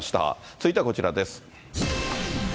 続いてはこちらです。